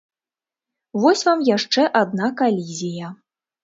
Вось вам яшчэ адна калізія.